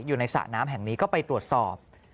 สระน้ำแห่งนี้ก็ไปตรวจสอบ